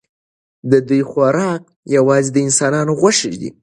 د دوی خوراک یوازې د انسانانو غوښې دي.